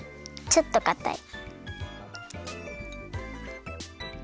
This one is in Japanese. ちょっとかたい。